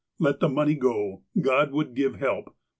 Let the money go ! God would give help